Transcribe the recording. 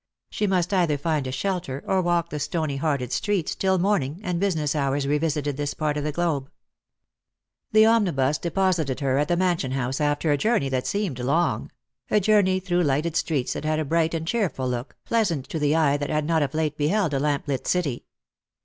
She must either find a shelter, or walk the stony hearted streets, till morning and business hours revisited this part of the globe. The omnibus deposited her at the Mansion House after a journey that seemed long ; a journey through lighted streets that had a bright and cheerful look, pleasant to the eye that had not of late beheld a lamp lit city.